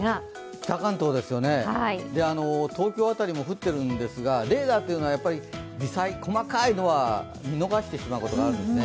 北関東ですよね、東京辺りでも降ってるんですがレーダーというのは微細、細かいのは見逃してしまうことがあるんですね。